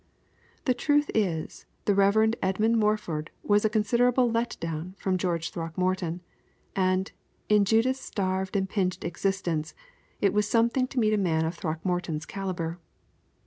The truth is, the Rev. Edmund Morford was a considerable let down from George Throckmorton; and, in Judith's starved and pinched existence, it was something to meet a man of Throckmorton's caliber.